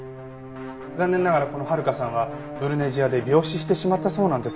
残念ながらこの遥さんはブルネジアで病死してしまったそうなんですが。